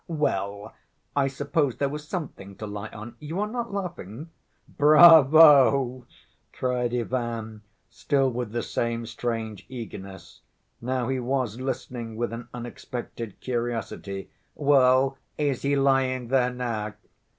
"Well, I suppose there was something to lie on. You are not laughing?" "Bravo!" cried Ivan, still with the same strange eagerness. Now he was listening with an unexpected curiosity. "Well, is he lying there now?"